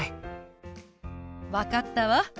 分かったわ。